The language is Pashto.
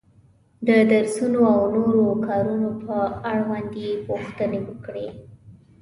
د درسونو او نورو کارونو په اړوند یې پوښتنې وکړې.